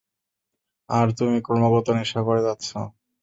আর তুমি ক্রমাগত নেশা করে যাচ্ছ!